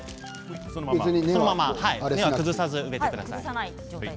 そのまま根は崩さず植えてください。